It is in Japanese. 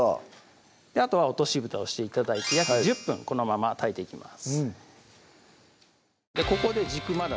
あとは落とし蓋をして頂いて約１０分このまま炊いていきます